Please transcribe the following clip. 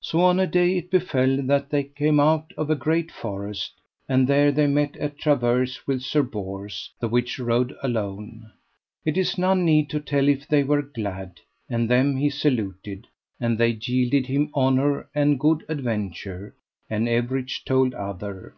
So on a day it befell that they came out of a great forest, and there they met at traverse with Sir Bors, the which rode alone. It is none need to tell if they were glad; and them he saluted, and they yielded him honour and good adventure, and everych told other.